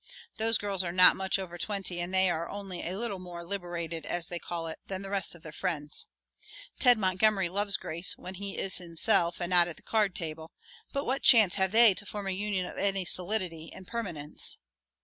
Those girls are not much over twenty and they are only a little more "liberated," as they call it, than the rest of their friends. Ted Montgomery loves Grace, when he is himself and not at the card table, but what chance have they to form a union of any solidity and permanence?